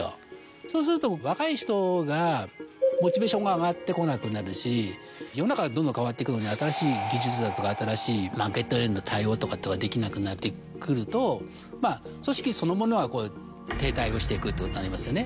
そうすると若い人がモチベーションが上がってこなくなるし世の中どんどん変わってくのに新しい技術だとか新しいマーケットへの対応とかできなくなってくると組織そのものは停滞をしていくってことになりますよね。